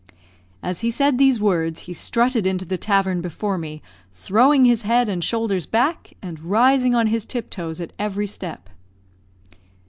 As he said these words, he strutted into the tavern before me, throwing his head and shoulders back, and rising on his tiptoes at every step.